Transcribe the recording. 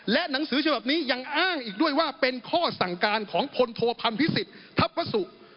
และหนังสือฉบับนี้ยังอ้างอีกด้วยว่าเป็นข้อสั่งการของพลโทพันธ์พิสิทธิ์ทัพวสุ